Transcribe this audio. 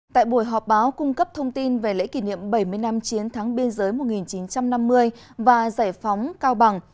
tại buổi họp báo cung cấp thông tin về lễ kỷ niệm bảy mươi năm chiến thắng biên giới một nghìn chín trăm năm mươi và giải phóng cao bằng